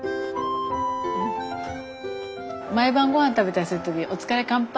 毎晩ごはん食べたりする時「お疲れ乾杯」。